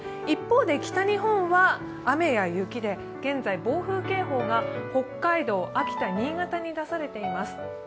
一方で北日本は雨や雪で、現在暴風警報が北海道、秋田、新潟に出されています。